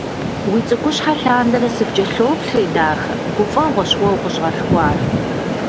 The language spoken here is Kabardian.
Уи цӀыкӀущхьэ лъандэрэ сыпкӀэлъоплъри, дахэ, гуфӀэгъуэщ уэ укъыщӀалъхуар.